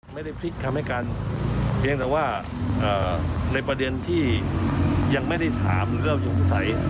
ไม่ได้พลิกคำให้การเพียงแต่ว่าในประเด็นที่ยังไม่ได้ถามหรือเราสงสัย